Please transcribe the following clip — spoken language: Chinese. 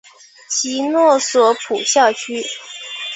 其诺索普校区。